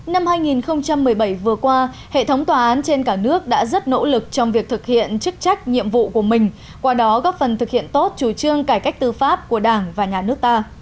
năm hai nghìn một mươi bảy vừa qua hệ thống tòa án trên cả nước đã rất nỗ lực trong việc thực hiện chức trách nhiệm vụ của mình qua đó góp phần thực hiện tốt chủ trương cải cách tư pháp của đảng và nhà nước ta